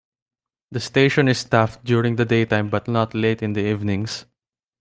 The station is staffed during the daytime but not late in the evenings.